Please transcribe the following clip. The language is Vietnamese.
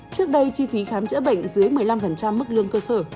trước đây chi phí khám chữa bệnh dưới một mươi năm mức lương cơ sở